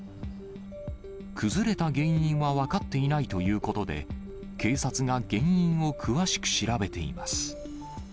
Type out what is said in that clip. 崩れた原因は分かっていないということで、警察が原因を詳しく調べています。